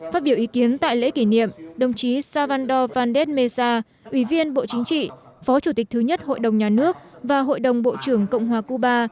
phát biểu ý kiến tại lễ kỷ niệm đồng chí salvando vandes mesa ủy viên bộ chính trị phó chủ tịch thứ nhất hội đồng nhà nước và hội đồng bộ trưởng cộng hòa cuba